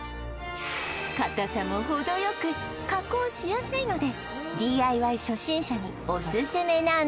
硬さも程良く加工しやすいので ＤＩＹ 初心者にオススメなんです